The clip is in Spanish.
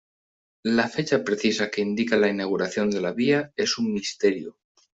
La fecha precisa que indica la inauguración de la vía, es un misterio.